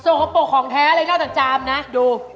โซโกะโปะของแท้เลยเล่าจากจามนะดู